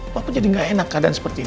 papa jadi nggak enak keadaan seperti ini